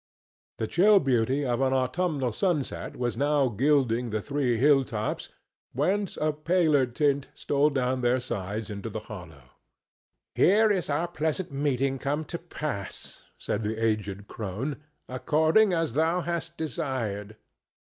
The chill beauty of an autumnal sunset was now gilding the three hill tops, whence a paler tint stole down their sides into the hollow. "Here is our pleasant meeting come to pass," said the aged crone, "according as thou hast desired.